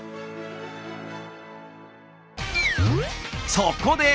そこで！